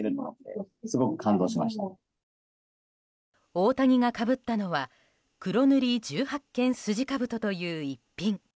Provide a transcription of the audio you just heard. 大谷がかぶったのは黒塗十八間筋兜という一品。